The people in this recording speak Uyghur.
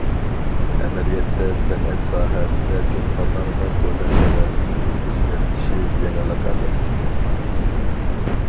ئەمەلىيەتتە سەنئەت ساھەسىدە چولپانلارنىڭ دۆلەت تەۋەلىكىنى ئۆزگەرتىشى يېڭىلىق ئەمەس.